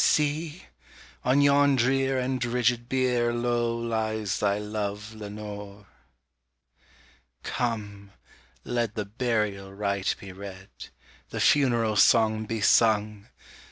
See! on yon drear and rigid bier low lies thy love, Lenore! Come! let the burial rite be read the funeral song be sung!